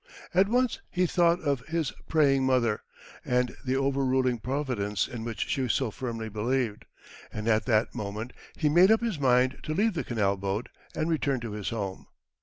At once he thought of his praying mother, and the over ruling Providence in which she so firmly believed. And at that moment he made up his mind to leave the canal boat, and return to his home.